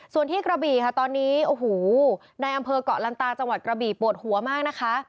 ส่วนที่กระบี่ค่ะตอนนี้โอ้โหในอำเภอกเกาะลันตาจังหวัดกระบี่ปวดหัวมากนะคะ